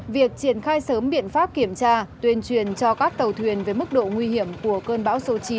việc triển khai sớm biện pháp kiểm tra tuyên truyền cho các tàu thuyền với mức độ nguy hiểm của cơn bão số chín